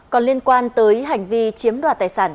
còn liên quan tới hành vi chiếm đoạt tài sản